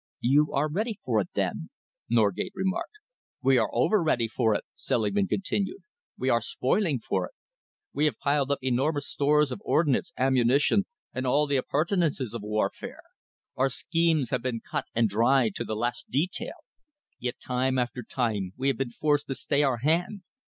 "You are ready for it, then?" Norgate remarked. "We are over ready for it," Selingman continued. "We are spoiling for it. We have piled up enormous stores of ordnance, ammunition, and all the appurtenances of warfare. Our schemes have been cut and dried to the last detail. Yet time after time we have been forced to stay our hand.